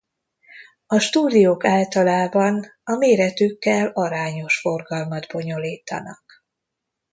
A stúdiók általában a méretükkel arányos forgalmat bonyolítanak.